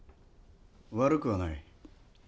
悪くはない。